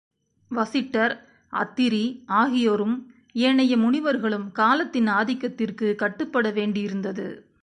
வசிட்டர், அத்திரி ஆகியோரும் ஏனைய முனிவர்களும் காலத்தின் ஆதிக்கத்திற்குக் கட்டுப்பட வேண்டியிருந்தது.